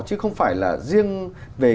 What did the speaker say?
chứ không phải là riêng về